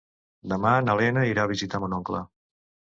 Demà na Lena irà a visitar mon oncle.